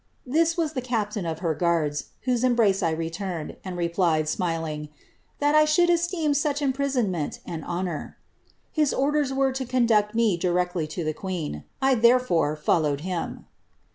This was the captain of her guards, whose embrace I returned, and re plied, smiling, thai 'I should esteem such imprisonment an honour.' His orders were to conduct me directly to the queen. I therefore fol lowed him."